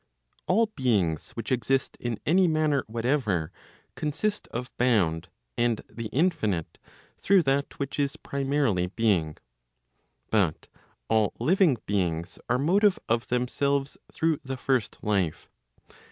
All beings which exist in any manner whatever, consist of bound and the infinite through that which is primarily being. But all living beings are motive of themselves through the first life.